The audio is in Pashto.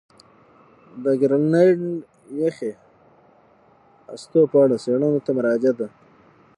د ګرینلنډ یخي هستو په اړه څېړنو ته مراجعه ده.